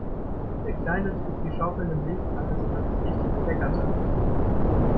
Der Kleine trug die schaukelnde Milchkanne, sodass es richtig kleckerte.